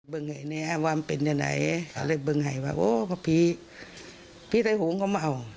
เบื้องไห่เนี่ยวามเป็นยังไงเลยเบื้องไห่ว่าโอ้พระผีพระผีไทยหูงก็เมา